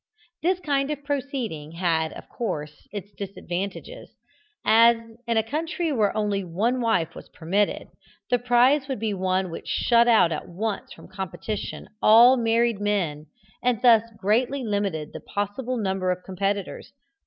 This kind of proceeding had, of course, its disadvantages, as, in a country where only one wife was permitted, the prize would be one which shut out at once from competition all married men, and thus greatly limited the possible number of competitors.